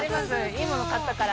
「いいもの買ったから」